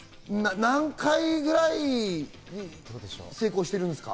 何回ぐらい成功してるんですか？